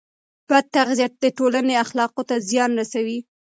بد تغذیه د ټولنې اخلاقو ته زیان رسوي.